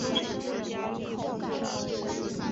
曾至美国哥伦比亚大学取得法学硕士学位。